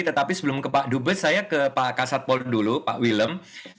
tetapi sebelum ke pak dubes saya ke pak kasatpol dulu pak willem